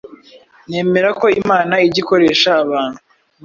Nemera ko Imana ijya ikoresha abantu